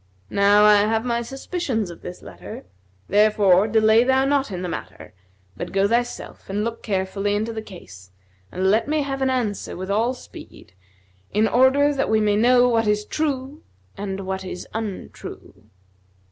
Now I have my suspicions of this letter: therefore delay thou not in the matter, but go thyself and look carefully into the case and let me have an answer with all speed, in order that we may know what is true and what is untrue."